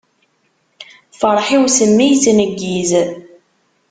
Ferḥ-iw s mmi yettneggiz.